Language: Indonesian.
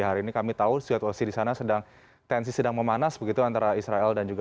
hari ini kami tahu situasi di sana sedang tensi sedang memanas begitu antara israel dan juga